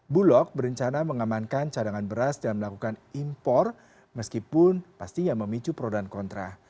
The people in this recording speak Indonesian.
bulog berencana mengamankan cadangan beras dan melakukan impor meskipun pastinya memicu pro dan kontra